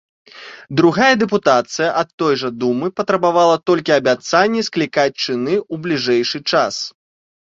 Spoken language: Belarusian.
Другая дэпутацыя ад той жа думы патрабавала толькі абяцанні склікаць чыны ў бліжэйшы час.